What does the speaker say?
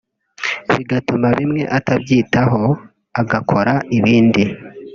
bigatuma bimwe atabyitaho agakora ibindi